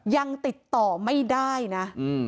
ยังติดต่อไม่ได้นะ